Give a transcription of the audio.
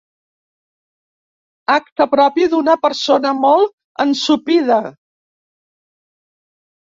Acte propi d'una persona molt ensopida.